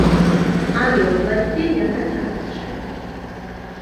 Але ў пласце яна цякучая.